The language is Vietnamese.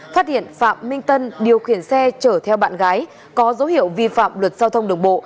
phát hiện phạm minh tân điều khiển xe chở theo bạn gái có dấu hiệu vi phạm luật giao thông đường bộ